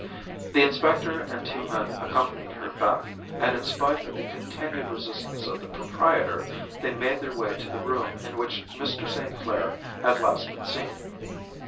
The inspector and two men accompanied her back, and in spite of the continued resistance of the proprietor, they made their way to the room in which Mr. St. Clair had last been seen.